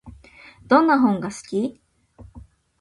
どんな本が好き？